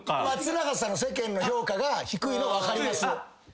松永さんの世間の評価が低いのは分かります。